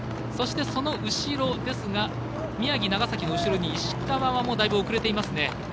その後ろですが宮城、長崎の後ろの石川はだいぶ遅れていますね。